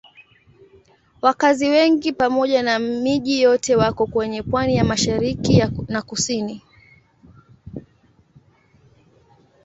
Wakazi wengi pamoja na miji yote wako kwenye pwani ya mashariki na kusini.